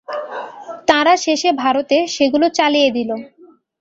তারা শেষে ভারতে সেগুলি চালিয়ে দিলে।